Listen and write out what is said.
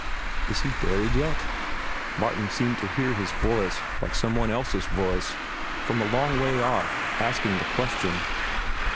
"Is he buried yet?" Martin seemed to hear his voice, like some one else's voice, from a long way off, asking the question.